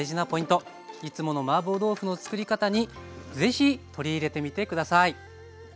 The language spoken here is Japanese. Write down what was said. いつものマーボー豆腐のつくり方にぜひ取り入れてみて下さい。